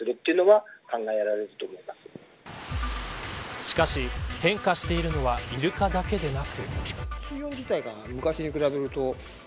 しかし、変化しているのはイルカだけでなく。